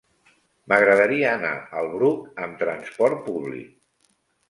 M'agradaria anar al Bruc amb trasport públic.